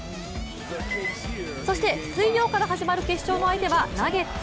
そして水曜から始まる決勝の相手はナゲッツ。